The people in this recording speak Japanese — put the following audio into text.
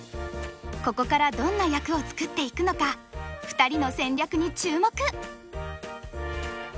ここからどんな役を作っていくのか２人の戦略に注目！